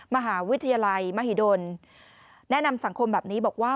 มหาวิทยาลัยมหิดลแนะนำสังคมแบบนี้บอกว่า